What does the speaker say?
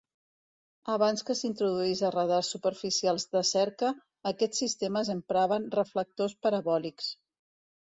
Abans que s'introduís a radars superficials de cerca, aquests sistemes empraven reflectors parabòlics.